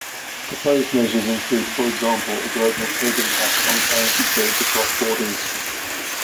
Proposed measures include for example a global Tobin tax on currency trades across borders.